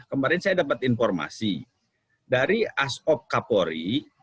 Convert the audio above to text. kemarin saya dapat informasi dari asop kapolri